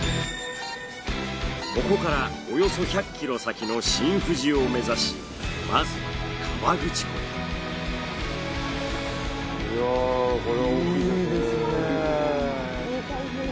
ここからおよそ１００ｋｍ先の新富士を目指しまずは河口湖へ。